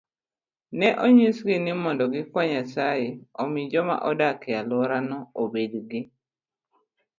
Ne onyisgi ni mondo gikwa Nyasaye omi joma odak e alworano obed gi